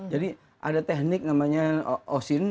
jadi ada teknik namanya osin